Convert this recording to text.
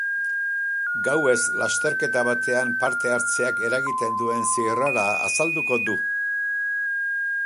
Gauez lasterketa batean parte hartzeak eragiten duen zirrara azalduko du.